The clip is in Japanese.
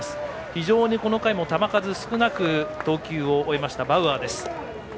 非常に、この回も球数少なく投球を終えました、バウアー。